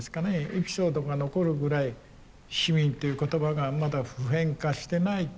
エピソードが残るぐらい市民っていう言葉がまだ普遍化してない。